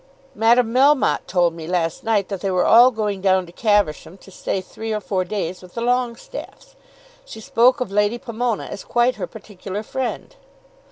"Madame Melmotte told me last night that they were all going down to Caversham to stay three or four days with the Longestaffes. She spoke of Lady Pomona as quite her particular friend."